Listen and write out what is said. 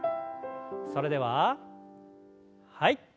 それでははい。